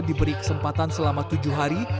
diberi kesempatan selama tujuh hari